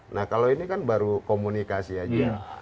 nah kalau ini kan baru komunikasi aja